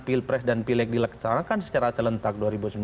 pilpres dan pileg dilaksanakan secara selentak dua ribu sembilan belas